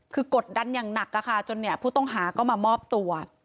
คือกดดันอย่างหนักจนเนี่ยผู้ต้องหาก็มามอบตัว